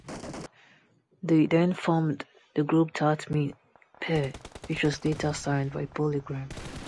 They then formed the group Tat Ming Pair, which was later signed by Polygram.